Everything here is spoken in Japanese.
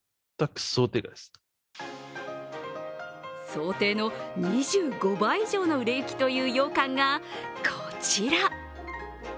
想定の２５倍以上の売れ行きというようかんがこちら。